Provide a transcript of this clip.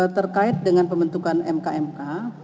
terkait dengan pembentukan mk mk